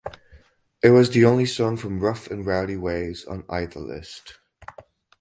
It was the only song from "Rough and Rowdy Ways" on either list.